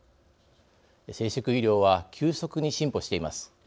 生殖医療は急速に進歩しています。